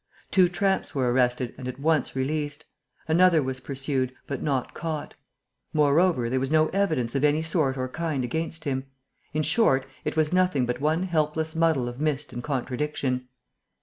Two tramps were arrested and at once released. Another was pursued, but not caught; moreover, there was no evidence of any sort or kind against him. In short, it was nothing but one helpless muddle of mist and contradiction.